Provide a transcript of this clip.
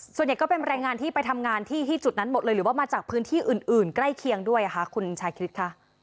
ส่วนใหญ่ก็เป็นแรงงานที่ไปทำงานที่จุดนั้นหมดเลยหรือว่ามาจากพื้นที่อื่นใกล้เคียงด้วยค่ะคุณชาคริสคะ